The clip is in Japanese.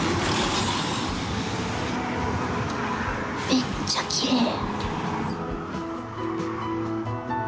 めっちゃきれい！